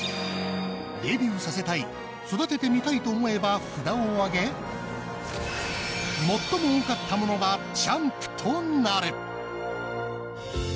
「デビューさせたい」「育ててみたい」と思えば札を上げ最も多かった者がチャンプとなる。